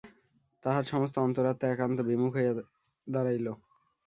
তাহার সমস্ত অন্তরাত্মা একান্ত বিমুখ হইয়া দাঁড়াইল।